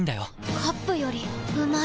カップよりうまい